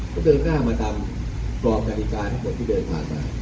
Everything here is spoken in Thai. ก็เดินหน้ามาตามกรอบกฎิกาทั้งหมดที่เดินผ่านมา